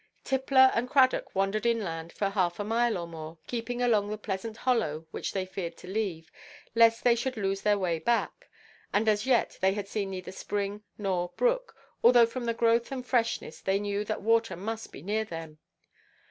Tippler and Cradock wandered inland for half a mile or more, keeping along a pleasant hollow which they feared to leave, lest they should lose the way back, and as yet they had seen neither spring nor brook, although from the growth and freshness they knew that water must be near them.